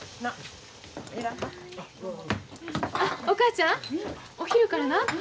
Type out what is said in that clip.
お母ちゃんお昼からな